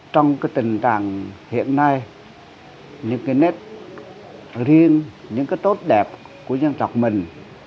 trong tình trạng hiện nay những nét riêng những tốt đẹp của dân tộc mình